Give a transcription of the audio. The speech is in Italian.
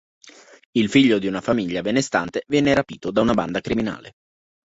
Il figlio di una famiglia benestante viene rapito da una banda criminale.